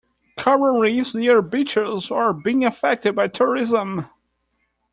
Coral reefs near beaches are being affected by tourism.